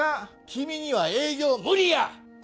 君には営業無理や！